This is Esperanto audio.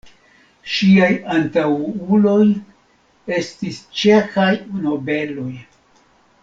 Ŝiaj antaŭuloj estis ĉeĥaj nobeloj.